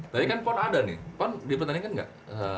tadi kan pon ada nih pon dipertandingkan enggak